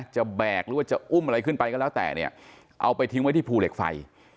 แบกหรือว่าจะอุ้มอะไรขึ้นไปก็แล้วแต่เนี่ยเอาไปทิ้งไว้ที่ภูเหล็กไฟ